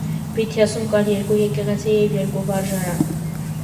Բիթիասում կար երկու եկեղեցի և երկու վարժարան։